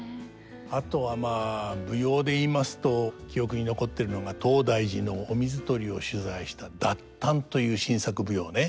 あとはまあ舞踊で言いますと記憶に残ってるのが東大寺のお水取りを取材した「達陀」という新作舞踊ね。